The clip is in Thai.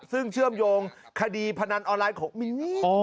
ซึ่งเชื่อมโยงคดีพนันออนไลน์ของมินนี่